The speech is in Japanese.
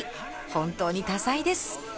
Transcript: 本当に多才です。